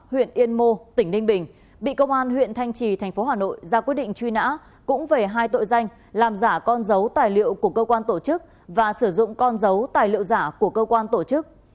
huyện yên mô tỉnh ninh bình bị công an huyện thanh trì thành phố hà nội ra quyết định truy nã cũng về hai tội danh làm giả con dấu tài liệu của cơ quan tổ chức và sử dụng con dấu tài liệu giả của cơ quan tổ chức